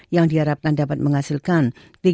yang diharapkan dapat menghasilkan